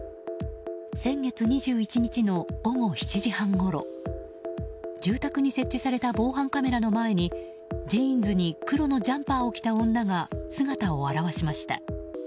先月２１日の午後７時半ごろ住宅に設置された防犯カメラの前にジーンズに黒のジャンパーを着た女が姿を現しました。